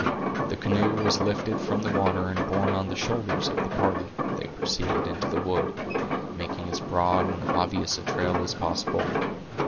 The canoe was lifted from the water, and borne on the shoulders of the party, they proceeded into the wood, making as broad and obvious a trail as possible.